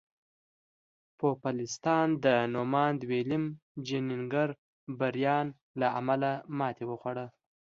پوپلستانو د نوماند ویلیم جیننګز بریان له امله ماتې وخوړه.